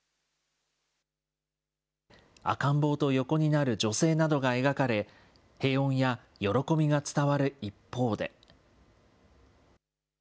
赤ん坊と横になる女性などが描かれ、平穏や喜びが伝わる一方で。